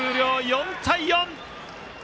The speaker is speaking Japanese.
４対４。